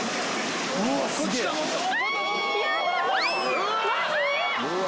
・うわ！